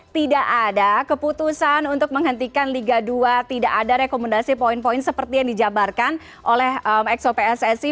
tidak ada keputusan untuk menghentikan liga dua tidak ada rekomendasi poin poin seperti yang dijabarkan oleh exo pssi